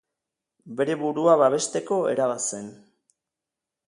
Bere burua babesteko era bat zen.